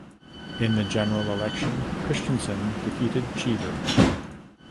In the general election Christensen defeated Cheever.